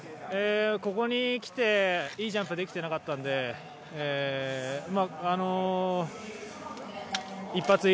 ここに来て、いいジャンプができていなかったので一発